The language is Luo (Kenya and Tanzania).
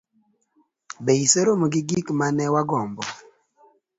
be iseromo gi gik ma ne wagombo?